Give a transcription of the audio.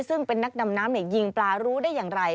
ซึ่งเป็นนักดำน้ำยิงปลารู้ได้อย่างไร